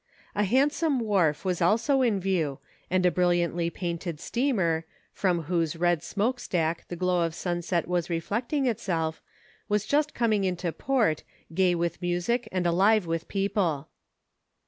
A handsome wharf was also in view, and a brilliantly painted steamer, from whose red smoke stack the glow of sunset was reflecting itself, was just com ing into port, gay with music and alive with people.